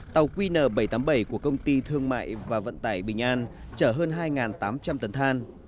tàu qn bảy trăm tám mươi bảy của công ty thương mại và vận tải bình an chở hơn hai tám trăm linh tấn than